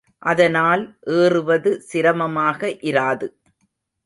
அதனால் ஏறுவது சிரமமாக இராது.